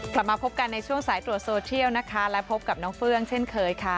กลับมาพบกันในช่วงสายตรวจโซเชียลนะคะและพบกับน้องเฟื่องเช่นเคยค่ะ